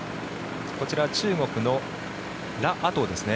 こちら中国のラ・アトウですね。